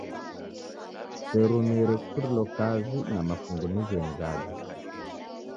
Kuserumire kuchurilo kazi na mafungu ni gheni ghaja.